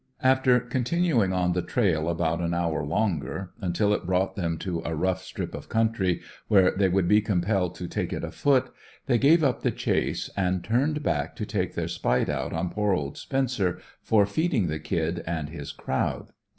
After continuing on the trail about an hour longer, until it brought them to a rough strip of country where they would be compelled to take it afoot, they gave up the chase, and turned back to take their spite out on poor old Spencer for feeding the "Kid" and his crowd.